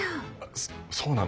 そそうなの？